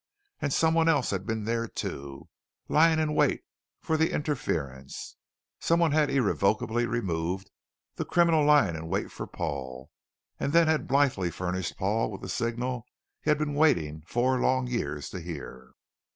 And someone else had been there, too, lying in wait for the interference. Someone had irrevocably removed the criminal lying in wait for Paul, and then had blithely furnished Paul with the signal he had been waiting four long years to hear.